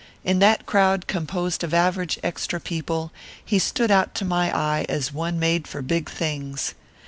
In that crowd composed of average extra people he stood out to my eye as one made for big things.